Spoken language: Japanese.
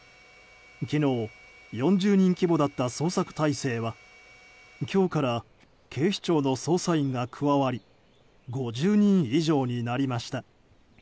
昨日、４０人規模だった捜索態勢は今日から警視庁の捜査員が加わり５０人以上になりました。